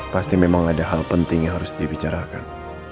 pasti memang ada hal penting yang harus dibicarakan